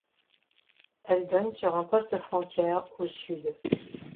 Elle donne sur un poste-frontière au sud.